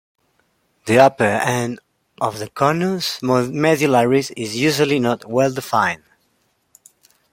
The upper end of the conus medullaris is usually not well defined.